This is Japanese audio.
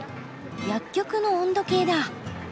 薬局の温度計だ。